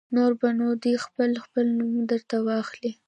نور به نو دی خپله خپل نوم در ته واخلي.